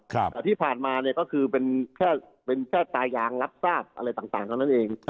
แต่ที่ผ่านมาเนี่ยก็คือเป็นแค่ตายางรับศาสตร์อะไรต่างของนั้นเอง